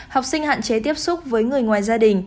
học sinh hạn chế tiếp xúc với người ngoài gia đình